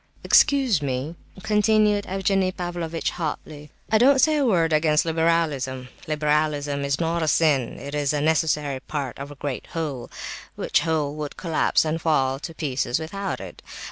"Excuse me," continued Evgenie Pavlovitch hotly, "I don't say a word against liberalism. Liberalism is not a sin, it is a necessary part of a great whole, which whole would collapse and fall to pieces without it.